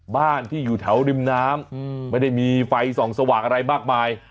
บ้านที่อยู่แถวริมน้ำไม่ได้มีไฟส่องสว่างอะไรมากมาย